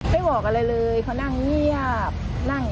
ถ้าเค้าอยากพูดต้องให้เค้าพูดมาเอง